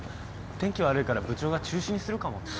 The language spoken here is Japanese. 天気悪いから部長が中止にするかもって。